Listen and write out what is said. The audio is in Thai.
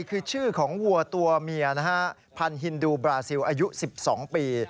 คือชื่อของวัวตัวเมียนะฮะพันธินดูบราซิลอายุ๑๒ปี